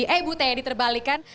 eh ibu teddy terbalikkan